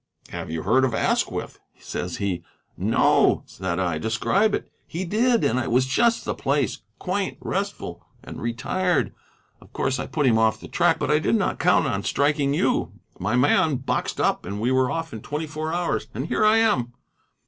'Have you heard of Asquith?' says he. 'No,' said I; 'describe it.' He did, and it was just the place; quaint, restful, and retired. Of course I put him off the track, but I did not count on striking you. My man boxed up, and we were off in twenty four hours, and here I am."